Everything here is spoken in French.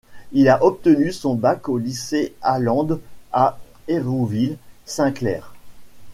Il a obtenu son bac au lycée Allende à Hérouville Saint-Clair.